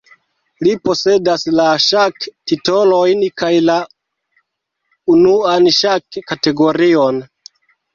Li posedas la ŝak-titolojn kaj la unuan ŝak-kategorion.